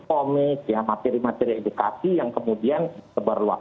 kami sendiri kan juga membuat lagu membuat matematik